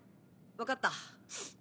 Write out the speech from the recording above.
分かった。